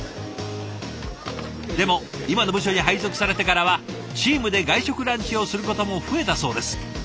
でも今の部署に配属されてからはチームで外食ランチをすることも増えたそうです。